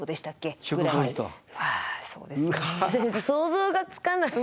想像がつかない。